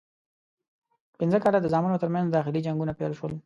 پنځه کاله د زامنو ترمنځ داخلي جنګونه پیل شول.